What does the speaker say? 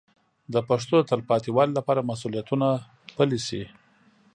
د پښتو د تلپاتې والي لپاره مسوولیتونه پلي شي.